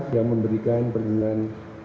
yang memberikan perlindungan